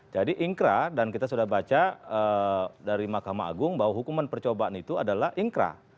jadi inkrah dan kita sudah baca dari mahkamah agung bahwa hukuman percobaan itu adalah inkrah